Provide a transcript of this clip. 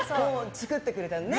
作ってくれたのね。